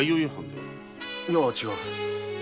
いや違う。